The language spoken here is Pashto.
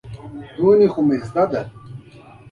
دومره خو مې زده ده.